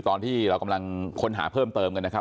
ตอนที่เรากำลังค้นหาเพิ่มเติมกันนะครับ